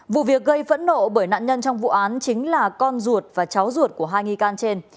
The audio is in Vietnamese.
vụ việc gây phẫn nộ bởi nạn nhân trong vụ án chính là con ruột và cháu ruột của hai nghi can trên